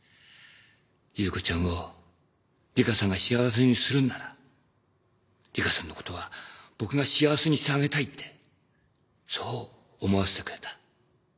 優子ちゃんを梨花さんが幸せにするんなら梨花さんのことは僕が幸せにしてあげたいってそう思わせてくれた。